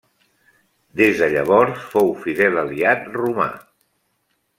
Des de llavors fou fidel aliat romà.